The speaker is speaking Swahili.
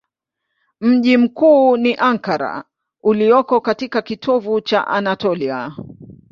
Mji mkuu ni Ankara ulioko katika kitovu cha Anatolia.